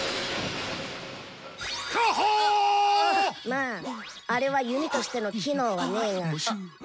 まぁあれは弓としての機能はねぇが。